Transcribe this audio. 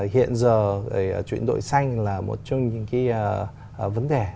hiện giờ chuyển đổi xanh là một trong những cái vấn đề